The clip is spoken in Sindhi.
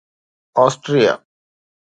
آسٽريا